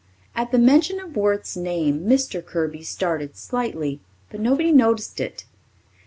At the mention of Worth's name, Mr. Kirby started slightly, but nobody noticed it.